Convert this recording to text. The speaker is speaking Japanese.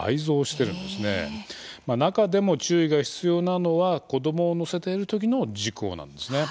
中でも注意が必要なのは子供を乗せている時の事故なんですね。